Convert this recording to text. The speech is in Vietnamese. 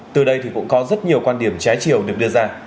từ đây thì cũng có rất nhiều quan điểm trái chiều được đưa ra